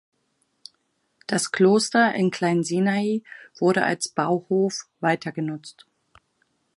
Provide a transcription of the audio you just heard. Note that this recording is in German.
Das Kloster in Klein-Sinaai wurde als Bauhof weitergenutzt.